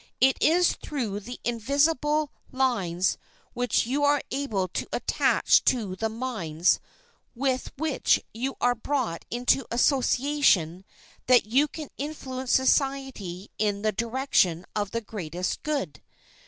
It is through the invisible lines which you are able to attach to the minds with which you are brought into association that you can influence society in the direction of the greatest good.